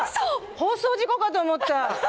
放送事故かと思った。